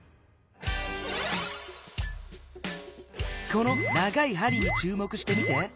この長い針にちゅうもくしてみて。